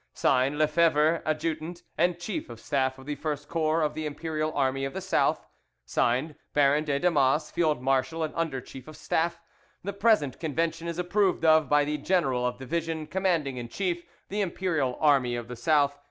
"(Signed) LEFEVRE Adjutant and Chief of Staff of the First Corps of the Imperial Army of the South "(Signed) BARON DE DAMAS Field Marshal and Under Chief of Staff "The present convention is approved of by the General of Division Commanding in Chief the Imperial Army of the South.